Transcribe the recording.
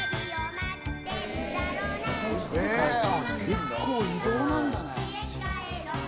結構移動なんだね。